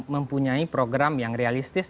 mempunyai program yang realistis